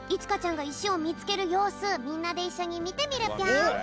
がいしをみつけるようすみんなでいっしょにみてみるぴょん。